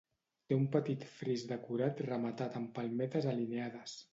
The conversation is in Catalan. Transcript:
Té un petit fris decorat rematat amb palmetes alineades.